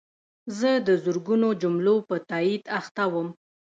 زه د زرګونو جملو په تایید اخته وم.